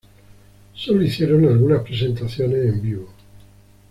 Sólo hicieron algunas presentaciones en vivo.